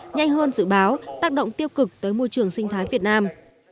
nhanh hơn dự báo tác động tiêu cực tới môi trường sinh thái việt nam